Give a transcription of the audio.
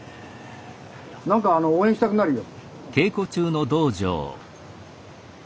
何かあの応援したくなるよ。